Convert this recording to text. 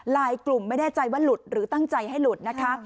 กลุ่มไม่แน่ใจว่าหลุดหรือตั้งใจให้หลุดนะคะ